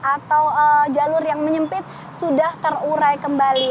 atau jalur yang menyempit sudah terurai kembali